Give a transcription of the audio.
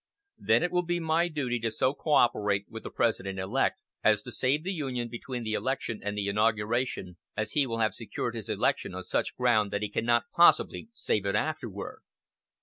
Then it will be my duty to so cooperate with the President elect as to save the Union between the election and the inauguration, as he will have secured his election on such ground that he cannot possibly save it afterward."